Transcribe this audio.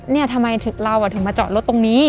เนี่ยทำไมเราถึงมาจอดรถตรงนี้